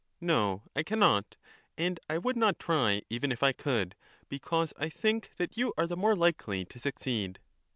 No, I cannot ; and I would not try even if I could, because I think that you are the more likely to succeed.